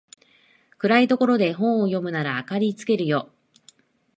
暗いところで本を読むなら明かりつけるよ